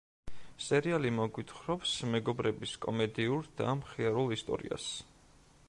სერიალი მოგვითხრობს მეგობრების კომედიურ და მხიარულ ისტორიას.